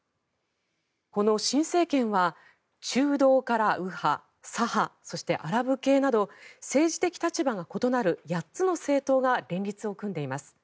この新政権は中道から右派、左派そして、アラブ系など政治的立場が異なる８つの政党が連立を組んでいます。